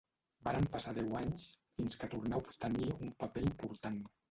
Varen passar deu anys fins que tornà a obtenir un paper important.